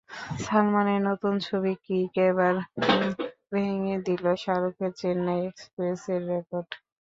সালমানের নতুন ছবি কিক এবার ভেঙে দিল শাহরুখের চেন্নাই এক্সপ্রেস-এর রেকর্ড।